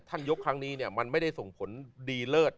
ยกครั้งนี้เนี่ยมันไม่ได้ส่งผลดีเลิศ